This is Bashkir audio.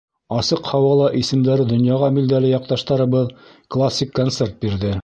Асыҡ һауала исемдәре донъяға билдәле яҡташтарыбыҙ классик концерт бирҙе.